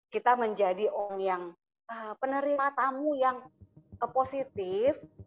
kita menjadi orang yang penerima tamu yang positif